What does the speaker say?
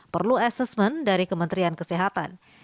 perlu assessment dari kementerian kesehatan